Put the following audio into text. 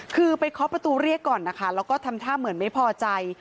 คือไปเคาะประตูเรียกก่อนนะคะแล้วก็ทำท่าเหมือนไม่พอใจ